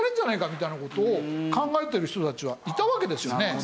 みたいな事を考えている人たちはいたわけですよね。